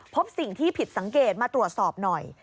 พบสิ่งที่ผิดสังเกตมาตรวจสอบหน่อย